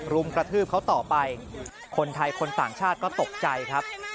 รุมกระทืบเขาต่อไปคนไทยคนต่างชาติก็ตกใจครับ